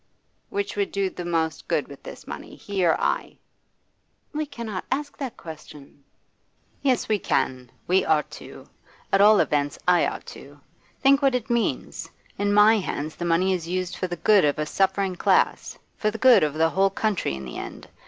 'Which would do the most good with this money, he or I?' 'We cannot ask that question.' 'Yes, we can. We ought to. At all events, I ought to. Think what it means. In my hands the money is used for the good of a suffering class, for the good of the whole country in the end.